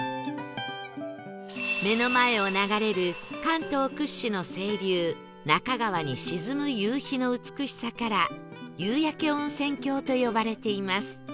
目の前を流れる関東屈指の清流那珂川に沈む夕日の美しさから夕焼け温泉郷と呼ばれています